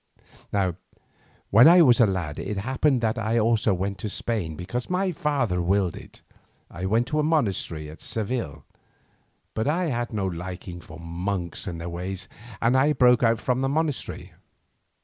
When I was a lad it happened that I also went to Spain because my father willed it. I went to a monastery at Seville, but I had no liking for monks and their ways, and I broke out from the monastery.